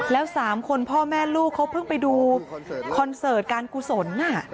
แล้ว๓คนพ่อแม่ลูกเขาเพิ่งไปดูคอนเสิร์ตการกุศล